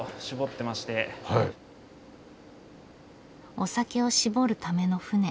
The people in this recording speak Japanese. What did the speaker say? お酒を搾るための槽。